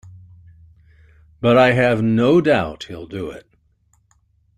But I have no doubt he'll do it.